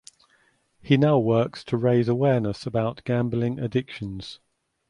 He now works to raise awareness about gambling addictions.